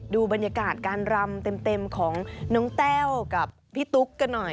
ดูบรรยากาศการรำเต็มของน้องแต้วกับพี่ตุ๊กกันหน่อย